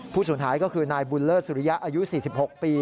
สูญหายก็คือนายบุญเลิศสุริยะอายุ๔๖ปี